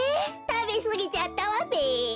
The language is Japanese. たべすぎちゃったわべ。